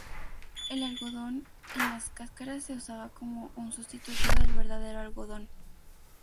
El "algodón" en las cáscaras se usaba como un sustituto del verdadero algodón.